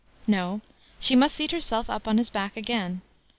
No; she must seat herself up on his back again.